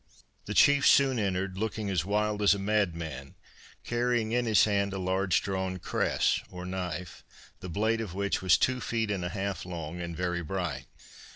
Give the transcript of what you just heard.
The chief soon entered, looking as wild as a madman, carrying in his hand a large drawn cress or knife, the blade of which was two feet and half long and very bright.